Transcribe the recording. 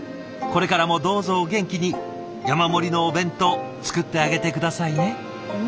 これからもどうぞお元気に山盛りのお弁当作ってあげて下さいね。